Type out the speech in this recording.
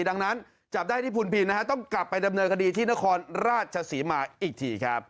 ดังนั้นจับได้ที่พุนพินนะฮะต้องกลับไปดำเนินคดีที่นครราชศรีมาอีกทีครับ